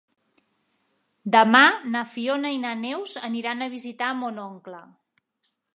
Demà na Fiona i na Neus aniran a visitar mon oncle.